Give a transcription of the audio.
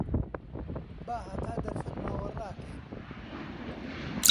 با هەتا دەرفەت ماوە ڕاکەین